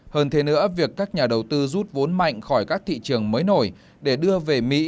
hơn thế nữa việc các nhà đầu tư rút vốn mạnh khỏi các thị trường mới nổi để đưa về mỹ